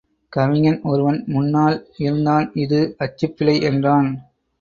கவிஞன் ஒருவன் முன்னால் இருந்தான் இது அச்சுப் பிழை என்றான்.